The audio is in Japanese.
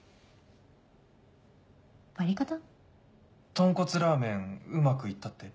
とんこつラーメンうまく行ったって？